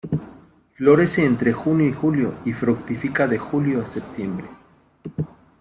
Florece entre junio y julio y fructifica de julio a septiembre.